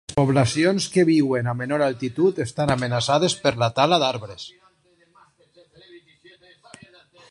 Les poblacions que viuen a menor altitud estan amenaçades per la tala d'arbres.